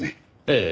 ええ。